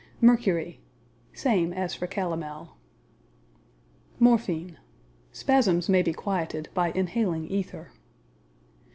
Mercury Same as for calomel. Morphine Spasms may be quieted by inhaling ether.